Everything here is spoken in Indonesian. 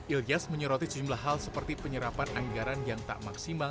ilyas menyoroti sejumlah hal seperti penyerapan anggaran yang tak maksimal